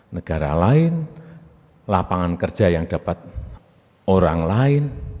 negara lain lapangan kerja yang dapat orang lain